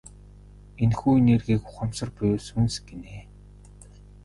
Энэхүү энергийг ухамсар буюу сүнс гэнэ.